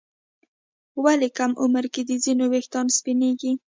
ولې کم عمر کې د ځینو ويښتان سپینېږي؟